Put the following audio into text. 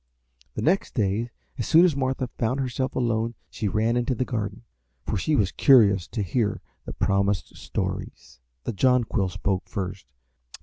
The next day as soon as Martha found herself alone she ran into the garden, for she was curious to hear the promised stories. The Jonquil spoke first.